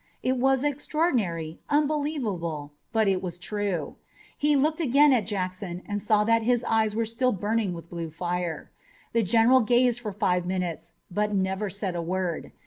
It was extraordinary, unbelievable, but it was true. He looked again at Jackson and saw that his eyes were still burning with blue fire. The general gazed for five minutes, but never said a word.